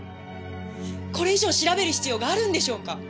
これ以上調べる必要があるんでしょうか？